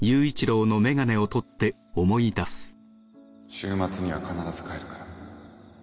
週末には必ず帰るから。